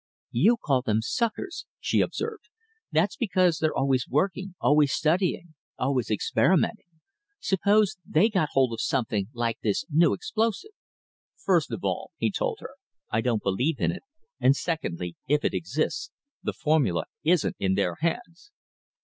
"You call them suckers," she observed. "That's because they're always working, always studying, always experimenting. Supposing they got hold of something like this new explosive?" "First of all," he told her, "I don't believe in it, and secondly, if it exists, the formula isn't in their hands."